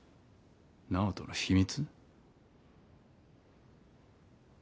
直人の秘密？